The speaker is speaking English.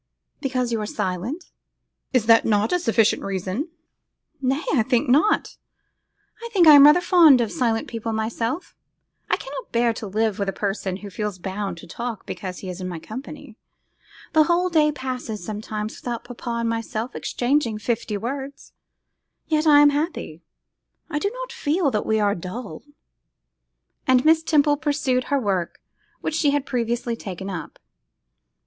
'Because you are silent?' 'Is not that a sufficient reason?' 'Nay! I think not; I think I am rather fond of silent people myself; I cannot bear to live with a person who feels bound to talk because he is my companion. The whole day passes sometimes without papa and myself exchanging fifty words; yet I am very happy; I do not feel that we are dull:' and Miss Temple pursued her work which she had previously taken up.